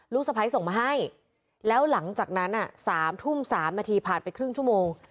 สะพ้ายส่งมาให้แล้วหลังจากนั้น๓ทุ่ม๓นาทีผ่านไปครึ่งชั่วโมง